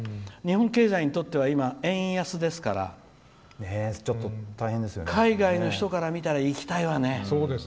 日本経済にとっては円安ですから海外の人から見たら行きたいわね。